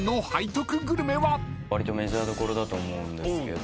わりとメジャーどころだと思うんですけど。